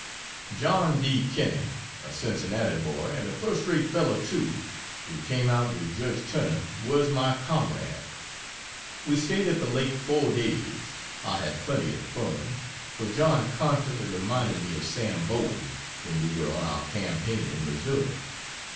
John D. Kinney, a Cincinnati boy, and a first rate fellow, too, who came out with judge Turner, was my comrade. We staid at the Lake four days I had plenty of fun, for John constantly reminded me of Sam Bowen when we were on our campaign in Missouri.